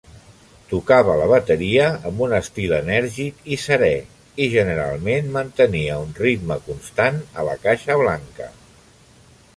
Tocava la bateria amb un estil enèrgic i serè, i generalment mantenia un ritme constant a la caixa blanca.